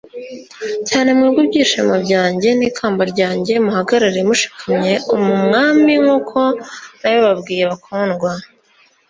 cyane mwebwe byishimo byanjye n ikamba t ryanjye muhagarare mushikamye u mu Mwami nk uko nabibabwiye bakundwa